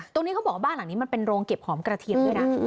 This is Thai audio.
ตรงนี้เขาบอกว่าบ้านหลังนี้มันเป็นโรงเก็บหอมกระเทียมด้วยนะ